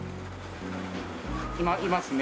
今いますね。